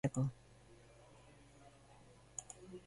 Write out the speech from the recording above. Larrialdi zerbitzuek ezin izan dute ezer egin gizona salbatzeko.